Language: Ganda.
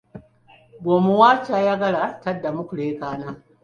"Bw’omuwa ky’ayagala, taddamu kulekaana."